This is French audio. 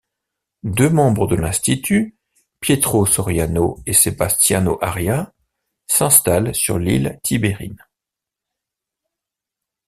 Deux membres de l'institut, Pietro Soriano et Sebastiano Arias, s'installent sur l'île Tibérine.